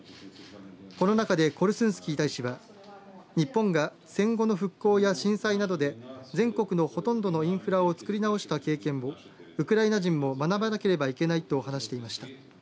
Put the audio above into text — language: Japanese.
この中でコルスンスキー大使は日本が戦後の復興や震災などで全国のほとんどのインフラをつくり直した経験をウクライナ人も学ばなければいけないと話していました。